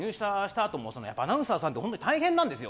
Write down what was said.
あとアナウンサーさんって本当大変なんですよ。